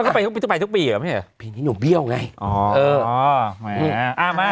อ้ามันต้องไปไปทุกผีหรอไม่ใช่พี่นิ้วเบี้ยวไงอ๋ออ๋อไหมอ่ามา